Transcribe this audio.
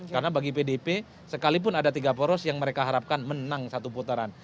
karena bagi pdip sekalipun ada tiga poros yang mereka harapkan menang satu putaran